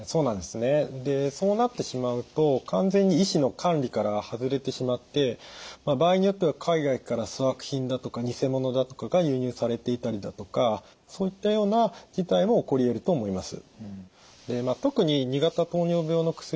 でそうなってしまうと完全に医師の管理から外れてしまって場合によっては海外から粗悪品だとか偽物だとかが輸入されていたりだとかそういったような事態も起こりえると思います。